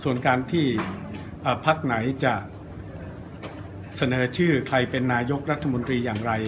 ส่วนการที่พักไหนจะเสนอชื่อใครเป็นนายกรัฐมนตรีอย่างไร